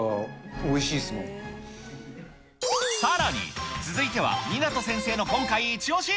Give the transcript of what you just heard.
さらに、続いては、湊先生の今回一押し。